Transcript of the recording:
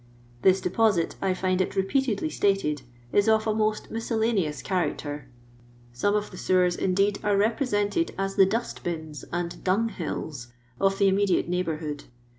This deposit, I find it repeatedly stated, is of a most miscellaneous character. Some of the sewers, indeed, are represented as the dust bins and dung hills of the immediate neigh bourhood.